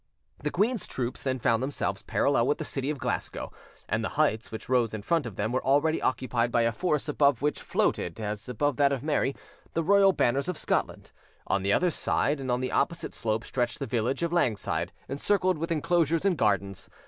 The queen's troops then found themselves parallel with the city of Glasgow, and the heights which rose in front of them were already occupied by a force above which floated, as above that of Mary, the royal banners of Scotland, On the other side, and on the opposite slope, stretched the village of Langside, encircled with enclosures and gardens.